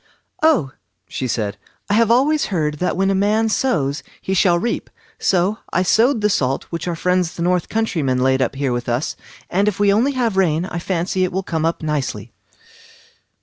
"Oh", she said, "I have always heard that what a man sows he shall reap, so I sowed the salt which our friends the north country men laid up here with us, and if we only have rain I fancy it will come up nicely."